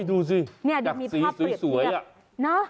ดูสิอยากสีสวยน่ะ